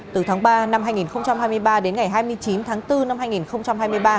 từ tháng ba năm hai nghìn hai mươi ba đến ngày hai mươi chín tháng bốn năm hai nghìn hai mươi ba